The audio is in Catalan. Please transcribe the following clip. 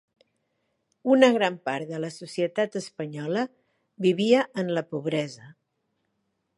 Una gran part de la societat espanyola vivia en la pobresa.